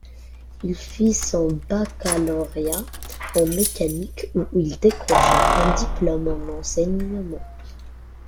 Il fit son baccalauréat en mécanique où il décrocha un diplôme en enseignement.